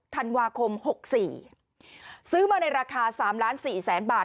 ธันวาคม๖๔ซื้อมาในราคา๓ล้าน๔แสนบาท